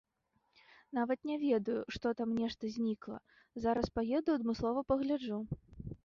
Нават не ведаю, што там нешта знікла, зараз паеду адмыслова пагляджу.